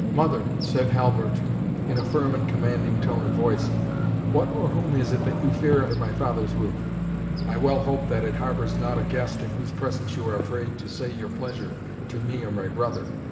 "Mother!" said Halbert, in a firm and commanding tone of voice, "what or whom is it that you fear under my father's roof? I well hope that it harbours not a guest in whose presence you are afraid to say your pleasure to me or my brother?